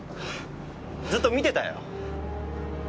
ずっと見てたよ。